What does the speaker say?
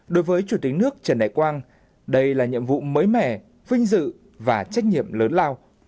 đối với chủ tịch nước trần đại quang đây là nhiệm vụ mới mẻ vinh dự và trách nhiệm lớn lao